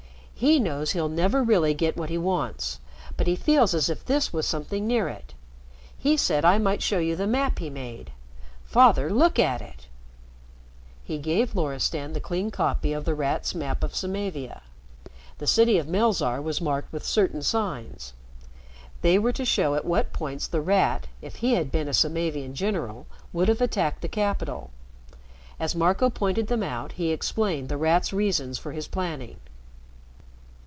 He knows he'll never really get what he wants, but he feels as if this was something near it. He said I might show you the map he made. Father, look at it." He gave Loristan the clean copy of The Rat's map of Samavia. The city of Melzarr was marked with certain signs. They were to show at what points The Rat if he had been a Samavian general would have attacked the capital. As Marco pointed them out, he explained The Rat's reasons for his planning.